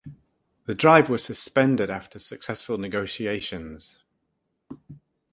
The drive was suspended after successful negotiations.